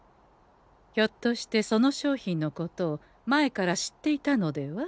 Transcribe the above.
ひょっとしてその商品のことを前から知っていたのでは？